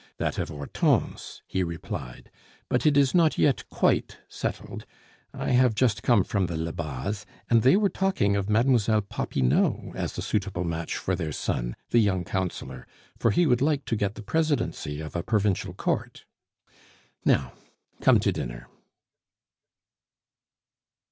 "That of Hortense," he replied; "but it is not yet quite settled. I have just come from the Lebas', and they were talking of Mademoiselle Popinot as a suitable match for their son, the young councillor, for he would like to get the presidency of a provincial court. Now, come to dinner."